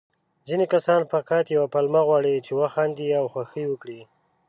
ځيني کسان فقط يوه پلمه غواړي، چې وخاندي او خوښي وکړي.